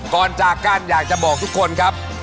ก่อนจากกันอยากจะบอกทุกคนครับ